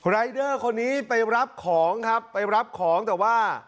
รายเดอร์คนนี้ไปรับของครับไปรับของแต่ว่า